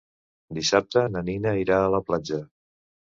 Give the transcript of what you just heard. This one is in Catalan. Dissabte na Nina irà a la platja.